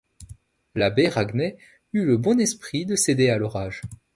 L’abbé Raguenet eut le bon esprit de céder à l’orage.